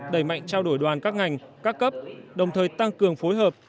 đẩy mạnh trao đổi đoàn các ngành các cấp đồng thời tăng cường phối hợp